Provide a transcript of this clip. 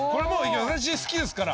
私好きですから。